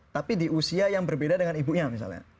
tapi di usia yang berbeda dengan ibunya misalnya